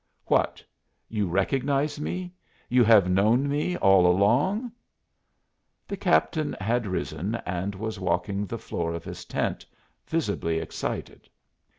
"What! you recognize me? you have known me all along?" The captain had risen and was walking the floor of his tent, visibly excited.